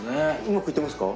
うまくいってますか？